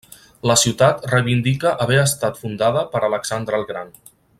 La ciutat reivindica haver estat fundada per Alexandre el Gran.